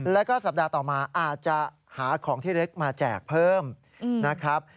แล้วก็สัปดาห์ต่อมาอาจจะหาของที่เล็กมาแจกเพิ่มนะครับ